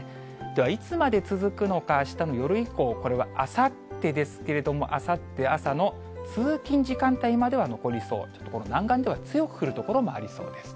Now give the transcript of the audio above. ではいつまで続くのか、あしたの夜以降、これはあさってですけれども、あさって朝の通勤時間帯までは残りそう、南岸では強く降る所もありそうです。